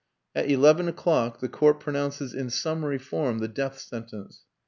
"At eleven o'clock the Court pronounces in summary form the death sentence.